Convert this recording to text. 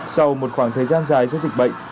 sau một khoảng thời gian dài do dịch bệnh